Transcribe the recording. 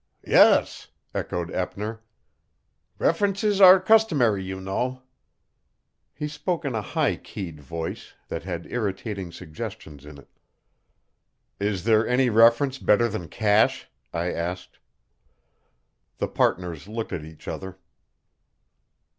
"Yes," echoed Eppner. "References are customary, you know." He spoke in a high keyed voice that had irritating suggestions in it. "Is there any reference better than cash?" I asked. The partners looked at each other.